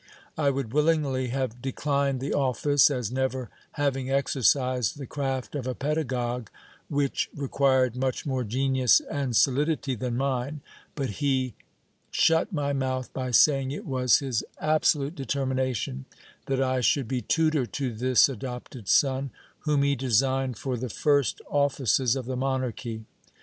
I would willingly have declined the office, as never having exercised the craft of a pedagogue, which required much more genius and solidity than mine ; but he shut my mouth by saying it was his absolute determination that I should be tutor to this adopted son, whom he designed for the first offices of the monarchy.